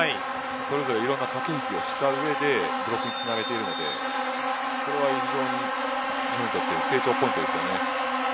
それぞれいろんな駆け引きをした上でブロックにつなげているのでこれは非常に日本にとって成長ポイントですね。